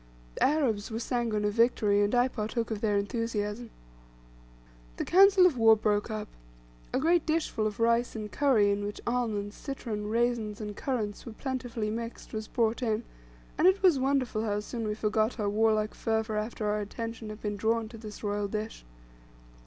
The Arabs were sanguine of victory, and I partook of their enthusiasm. The council of war broke up. A great dishful of rice and curry, in which almonds, citron, raisins, and currants were plentifully mixed, was brought in, and it was wonderful how soon we forgot our warlike fervor after our attention had been drawn to this royal dish.